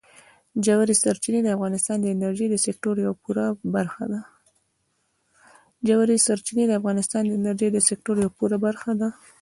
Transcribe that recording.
ژورې سرچینې د افغانستان د انرژۍ د سکتور یوه پوره برخه ده.